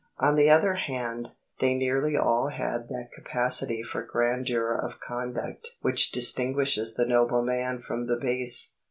On the other hand, they nearly all had that capacity for grandeur of conduct which distinguishes the noble man from the base.